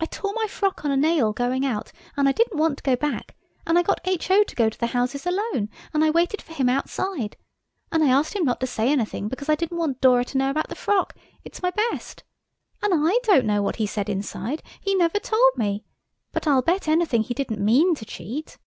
"I tore my frock on a nail going out, and I didn't want to go back, and I got H.O. to go to the houses alone, and I waited for him outside. And I asked him not to say anything because I didn't want Dora to know about the frock–it's my best. And I don't know what he said inside. He never told me. But I'll bet anything he didn't mean to cheat."